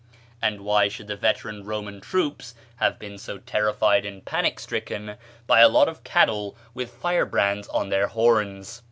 And why should the veteran Roman troops have been so terrified and panic stricken by a lot of cattle with firebrands on their horns?